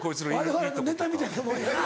われわれのネタみたいなもんやな。